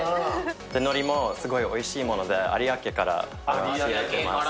のりもすごいおいしいもので、有明から仕入れてます。